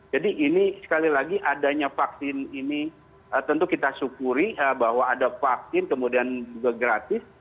jadi ini sekali lagi adanya vaksin ini tentu kita syukuri bahwa ada vaksin kemudian juga gratis